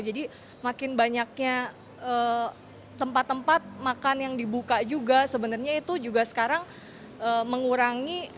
jadi makin banyaknya tempat tempat makan yang dibuka juga sebenarnya itu juga sekarang mengurangi